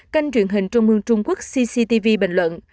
kênh truyền hình trung ương trung quốc cctv bình luận